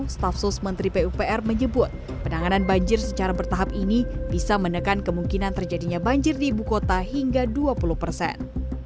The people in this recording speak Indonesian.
staf sus menteri pupr menyebut penanganan banjir secara bertahap ini bisa menekan kemungkinan terjadinya banjir di ibu kota hingga dua puluh persen